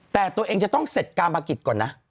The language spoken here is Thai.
แต่ตัวเองจะต้องเสร็จการมากิจก่อนนะ